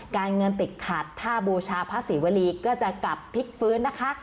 การเงินติดขัดถ้าบูชาพระศรีวรีก็จะกลับพลิกฟื้นนะคะ